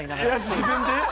自分で？